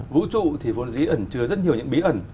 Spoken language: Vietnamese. vũ trụ thì vốn dĩ ẩn chứa rất nhiều những bí ẩn